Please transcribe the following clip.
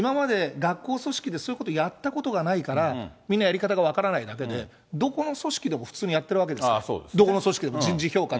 これは、今まで学校組織でそういうことやったことがないから、みんな、やり方が分からないだけで、どこの組織でも普通にやってるわけですから、どこの組織でも、人事評価。